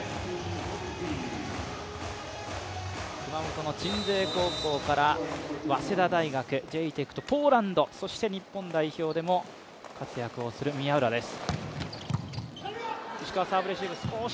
熊本の高校から早稲田大学、ジェイテクトポーランド、そして日本代表でも活躍をしている宮浦です。